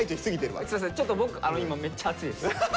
ちょっと僕今めっちゃ熱いです。